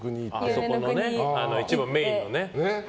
あの一番メインのね。